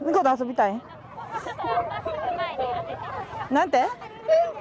何て？